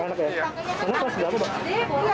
anak pas berapa pak